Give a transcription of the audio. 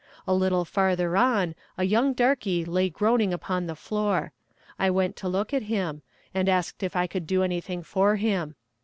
A little farther on a young darkie lay groaning upon the floor. I went to look at him, and asked if I could do anything for him.